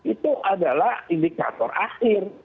itu adalah indikator akhir